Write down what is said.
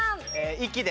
「息」で。